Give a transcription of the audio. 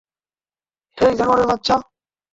হেই জানোয়ার বাচ্চা!